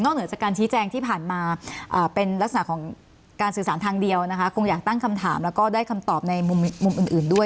เหนือจากการชี้แจงที่ผ่านมาเป็นลักษณะของการสื่อสารทางเดียวนะคะคงอยากตั้งคำถามแล้วก็ได้คำตอบในมุมอื่นด้วย